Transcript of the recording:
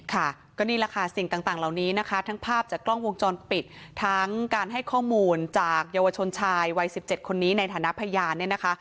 ค่ะก็นี่แหละค่ะสิ่งต่างเหล่านี้นะคะทั้งภาพจากกล้องวงจรปิดทั้งการให้ข้อมูลจากเยาวชนชายวัย๑๗คนนี้ในฐานะพยานเนี่ยนะคะ